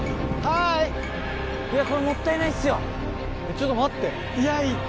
ちょっと待っていや。